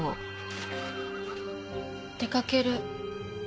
出かける。